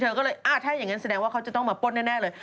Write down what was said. ถ้าอย่างงั้นแสดงว่าเขาจะต้องมาปลดแน่เลย